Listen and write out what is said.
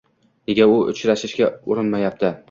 Nega u uchrashishga urinmayapti